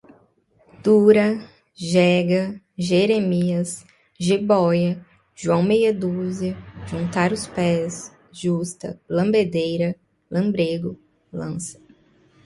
dura, jega, jeremias, jibóia, joão meia dúzia, juntar os pés, justa, lambedeira, lambrêgo, lança